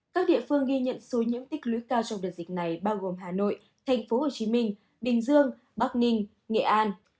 các địa phương ghi nhận số nhiễm tích lưới cao trong đợt dịch này bao gồm hà nội tp hcm bình dương bắc ninh nghệ an